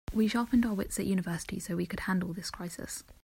We sharpened our wits at university so we could handle this crisis.